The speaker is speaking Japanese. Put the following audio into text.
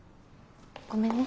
ごめんね。